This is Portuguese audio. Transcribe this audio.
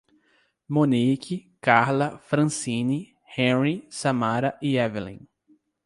Monique, Karla, Francine, Henry, Samara e Évelin